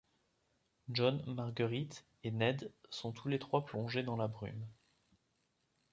John, Marguerite et Ned sont tous les trois plongés dans la brume.